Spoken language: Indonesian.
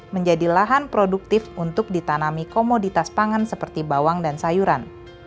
menjadi lahan produktif untuk ditanami komoditas pangan seperti bawang dan sayuran